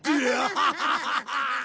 ハハハハハ。